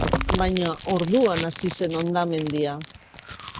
Baina orduan hasi zen hondamendia.